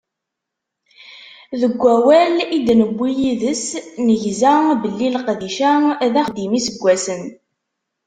Deg wawal i d-newwi yid-s, negza belli leqdic-a, d axeddim n yiseggasen.